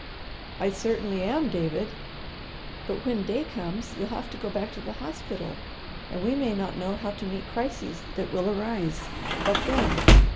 "I certainly am, David." "But when day comes you'll have to go back to the hospital and we may not know how to meet crises that will arise. What then?